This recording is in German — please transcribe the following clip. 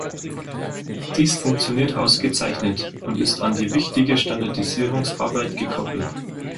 Dies funktioniert ausgezeichnet und ist an die wichtige Standardisierungsarbeit gekoppelt.